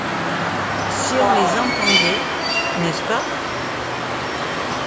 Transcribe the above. Si on les entendait, n’est-ce pas ?